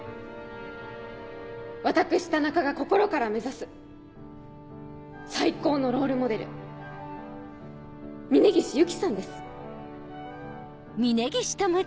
私田中が心から目指す最高のロールモデル峰岸雪さんです。